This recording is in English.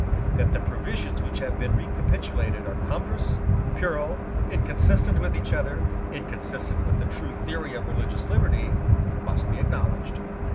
That the provisions which have been recapitulated are cumbrous, puerile, inconsistent with each other, inconsistent with the true theory of religious liberty, must be acknowledged.